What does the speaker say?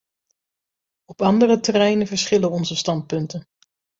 Op andere terreinen verschillen onze standpunten.